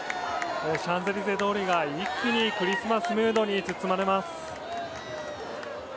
シャンゼリゼ通りが一気にクリスマスムードに包まれます。